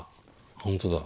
本当だ。